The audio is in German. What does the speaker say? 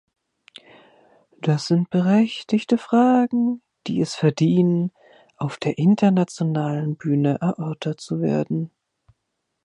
Das sind berechtigte Fragen, die es verdienen, auf der internationalen Bühne erörtert zu werden.